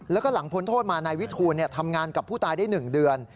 แล้วก็หลังพ้นโทษมานายวิทูลทำงานกับผู้ตายได้๑เดือน